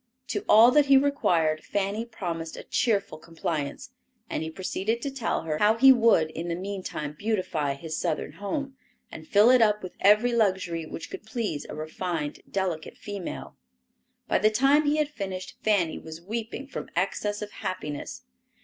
To all that he required Fanny promised a cheerful compliance, and he proceeded to tell her how he would in the meantime beautify his Southern home, and fill it up with every luxury which could please a refined, delicate female. By the time he had finished Fanny was weeping from excess of happiness.